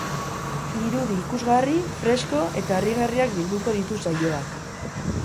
Irudi, ikusgarri, fresko eta harrigarriak bilduko ditu saioak.